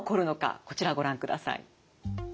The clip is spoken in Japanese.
こちらご覧ください。